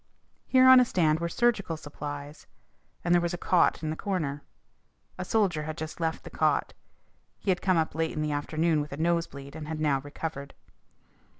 Here on a stand were surgical supplies, and there was a cot in the corner. A soldier had just left the cot. He had come up late in the afternoon with a nosebleed, and had now recovered.